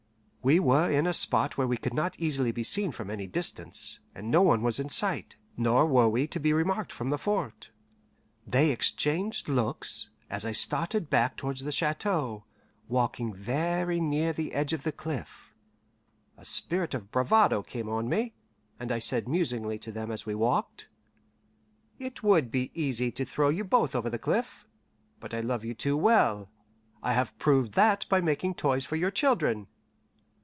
We were in a spot where we could not easily be seen from any distance, and no one was in sight, nor were we to be remarked from the fort. They exchanged looks, as I started back towards the chateau, walking very near the edge of the cliff. A spirit of bravado came on me, and I said musingly to them as we walked: "It would be easy to throw you both over the cliff, but I love you too well. I have proved that by making toys for your children."